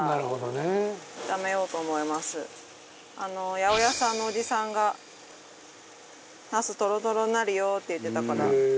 八百屋さんのおじさんが茄子、トロトロになるよって言ってたから。